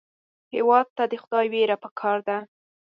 هېواد ته د خدای وېره پکار ده